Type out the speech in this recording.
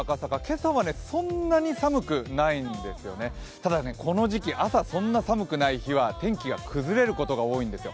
ただこの時期、朝そんなに寒くない日は天気が崩れることが多いんですよ。